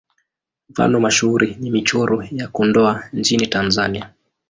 Mfano mashuhuri ni Michoro ya Kondoa nchini Tanzania.